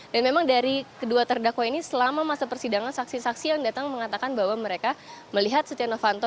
dan memang dari kedua terdakwa ini selama masa persidangan saksi saksi yang datang mengatakan bahwa mereka melihat setia novanto